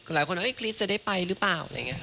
หลายคนคริสจะได้ไปหรือเปล่า